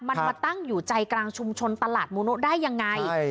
มันมาตั้งอยู่ใจกลางชุมชนตลาดมนุษย์ได้อย่างไร